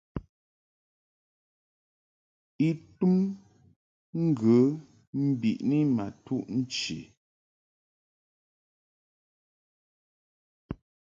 I tum ŋgə mbiʼni ma tuʼ nchi.